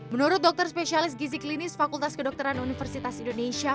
menurut dokter spesialis gizi klinis fakultas kedokteran universitas indonesia